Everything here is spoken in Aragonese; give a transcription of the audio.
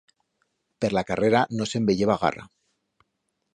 Per la carrera no se'n veyeba garra.